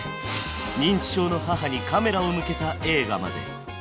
認知症の母にカメラを向けた映画まで。